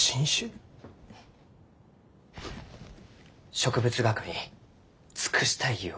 植物学に尽くしたいゆう